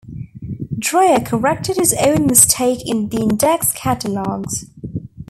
Dreyer corrected his own mistake in the Index Catalogues.